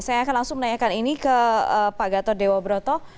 saya akan langsung menanyakan ini ke pak gatot dewa broto